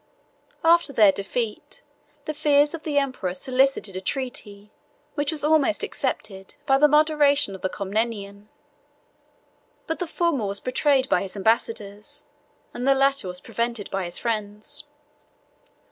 After their defeat, the fears of the emperor solicited a treaty, which was almost accepted by the moderation of the Comnenian. But the former was betrayed by his ambassadors, and the latter was prevented by his friends.